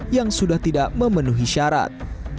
yang sudah tidak memenuhi syarat